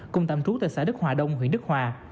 cùng tạm trú tại xã đức hòa đông huyện đức hòa